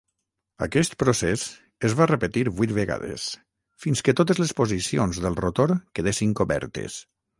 Aquest procés es va repetir vuit vegades fins que totes les posicions del rotor quedessin cobertes.